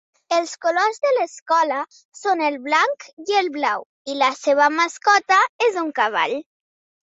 Els colors de l'escola són el blanc i el blau, i la seva mascota és un cavall.